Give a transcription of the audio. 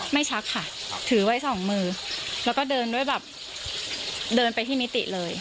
ชักค่ะถือไว้สองมือแล้วก็เดินด้วยแบบเดินไปที่มิติเลย